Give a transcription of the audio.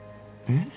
えっ？